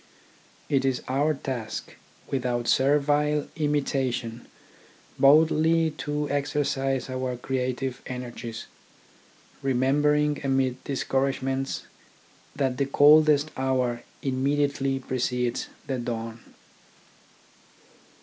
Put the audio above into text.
It is our task, without servile imitation, boldly to exercise our creative energies, remembering amid discouragements that the coldest hour immediately precedes the dawn.